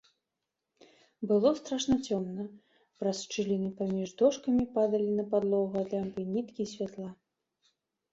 Было страшна цёмна, праз шчыліны паміж дошкамі падалі пад падлогу ад лямпы ніткі святла.